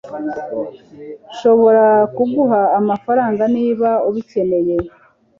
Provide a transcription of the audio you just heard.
nshobora kuguha amafaranga niba ubikeneye